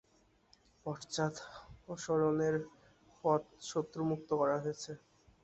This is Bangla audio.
পশ্চাদপসরণের পথ শত্রুমুক্ত করা হয়েছে।